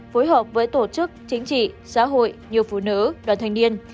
phối hợp với tổ chức chính trị xã hội nhiều phụ nữ đoàn thanh niên